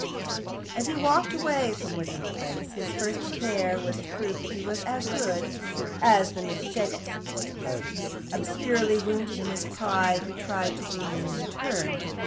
As he walked away from Wickham Place, his first care was to prove that he was as good as the Miss Schlegels. Obscurely wounded in his pride, he tried to wound them in return.